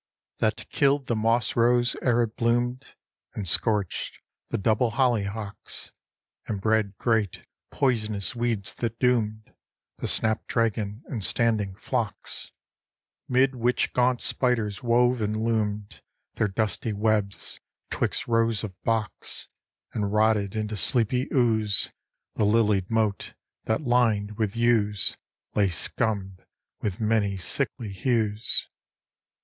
That killed the moss rose ere it bloomed, And scorched the double hollyhocks; And bred great, poisonous weeds that doomed The snap dragon and standing phlox; 'Mid which gaunt spiders wove and loomed Their dusty webs 'twixt rows of box; And rotted into sleepy ooze The lilied moat, that, lined with yews, Lay scummed with many sickly hues.